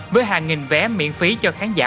với hàng nghìn vé miễn phí cho khán giả